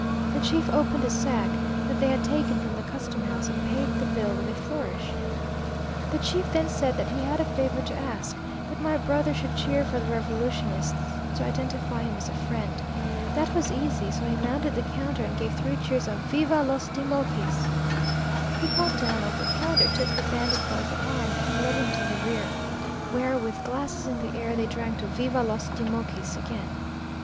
The chief opened a sack that they had taken from the custom house and paid the bill with a flourish. "The chief then said that he had a favor to ask: that my brother should cheer for the revolutionists, to identify him as a friend. That was easy, so he mounted the counter and gave three cheers of 'Viva los Timochis!' He got down off the counter, took the bandit by the arm, and led him to the rear, where with glasses in the air they drank to 'Viva los Timochis!' again.